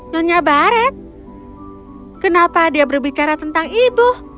nyonya barret kenapa dia berbicara tentang ibu